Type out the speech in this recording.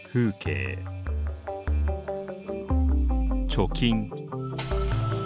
貯金。